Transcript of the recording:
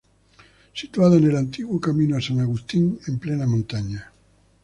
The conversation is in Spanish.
Situada en el antiguo camino a San Agustín, en plena montaña.